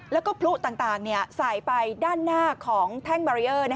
แล้วก็พลุต่างใส่ไปด้านหน้าของแท่งบารีเออร์